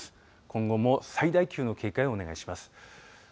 今後も最大級の警戒をお願いします。